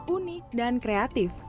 unik dan kreatif